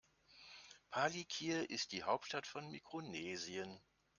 Palikir ist die Hauptstadt von Mikronesien.